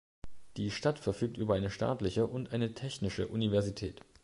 Die Stadt verfügt über eine staatliche und eine technische Universität.